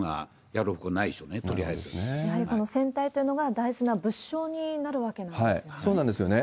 やはりこの船体というのが大事な物証になるわけなんですよね。